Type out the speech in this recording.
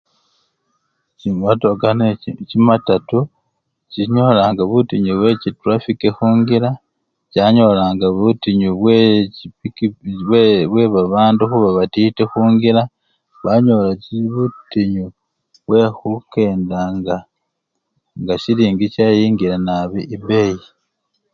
Chimotoka ne chimatatu chinyolanga butinyu bwechi trafiki khungila, chanyolanga butinyu bwechip! bwe bwebabandu baatiti khunchila, banyola chi butinyu bwekhukenda nga! nga silingi cheyingile nabii ebeyi.